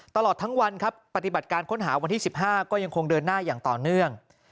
ตลอดทั้งวันครับปฏิบัติการค้นหาวันที่๑๕ก็ยังคงเดินหน้าอย่างต่อเนื่อง